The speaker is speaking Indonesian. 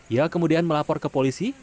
ia kemudian melapor ke polisi